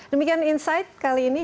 demikian insight kali ini